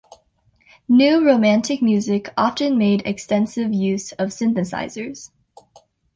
New Romantic music often made extensive use of synthesisers.